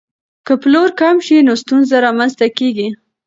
که پلور کم شي نو ستونزه رامنځته کیږي.